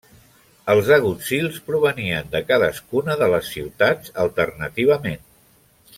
Els agutzils provenien de cadascuna de les ciutats alternativament.